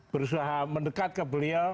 berusaha mendekat ke beliau